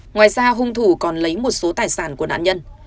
ngoài ra hung thủ còn lấy một số tài sản của nạn nhân